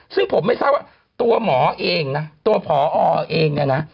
ซึ่งผมไม่ทราบว่าตัวหมอเองนะตัวผอเองเนี่ยนะ